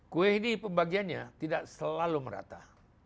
kue ini pembagiannya tidak selalu merata